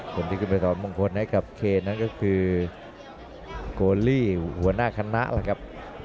คนที่ขึ้นไปถอดมงคลให้กับเคนนั้นก็คือโกลี่หัวหน้าคณะแล้วครับ